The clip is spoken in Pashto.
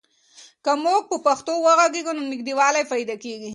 که موږ په پښتو وغږېږو نو نږدېوالی پیدا کېږي.